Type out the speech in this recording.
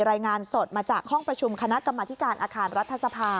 รายงานสดมาจากห้องประชุมคณะกรรมธิการอาคารรัฐสภา